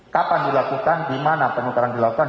kapan dilakukan di mana penukaran dilakukan